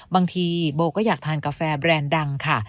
บางทีโบก็อยากทานกาแฟแรนด์ดังค่ะ